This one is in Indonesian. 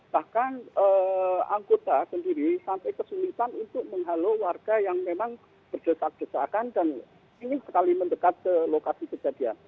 bahkan anggota sendiri sampai kesulitan untuk menghalau warga yang memang berdesak desakan dan ingin sekali mendekat ke lokasi kejadian